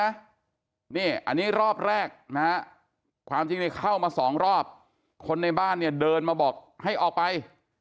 อันนี้รอบแรกความจริงในเข้ามาสองรอบคนในบ้านเดินมาบอกให้ออกไป